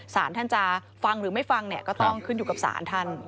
สารท่านจะฟังหรือไม่ฟังเนี่ยก็ต้องขึ้นอยู่กับศาลท่าน